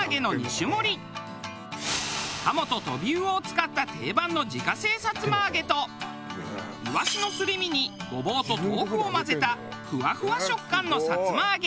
ハモと飛び魚を使った定番の自家製さつま揚げとイワシのすり身にごぼうと豆腐を混ぜたふわふわ食感のさつま揚げ。